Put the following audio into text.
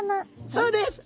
そうです！